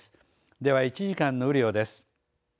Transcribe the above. では１時間の雨量です。